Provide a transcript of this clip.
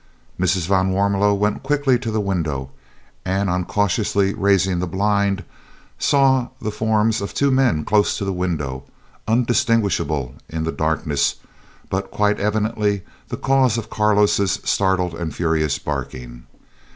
Mrs. van Warmelo went quickly to the window, and on cautiously raising the blind saw the forms of two men close to the window, undistinguishable in the darkness but quite evidently the cause of Carlo's startled and furious barkings.